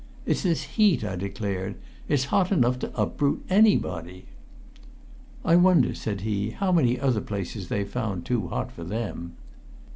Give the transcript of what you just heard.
"It's this heat," I declared; "it's hot enough to uproot anybody." "I wonder," said he, "how many other places they've found too hot for them!"